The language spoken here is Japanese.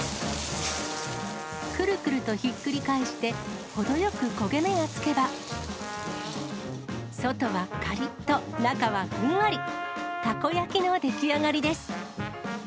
くるくるとひっくり返して、程よく焦げ目がつけば、外はかりっと、中はふんわり、たこ焼きの出来上がりです。